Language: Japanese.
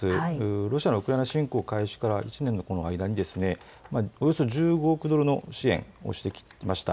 ロシアのウクライナ侵攻開始から１年の間におよそ１５億ドルの支援をしてきました。